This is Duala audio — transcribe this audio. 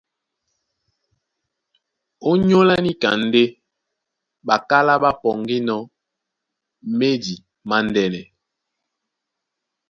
Ónyólá níka ndé ɓakálá ɓá pɔŋgínɔ̄ médi mándɛ́nɛ.